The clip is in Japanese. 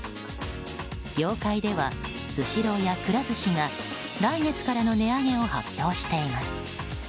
業界ではスシローや、くら寿司が来月からの値上げを発表しています。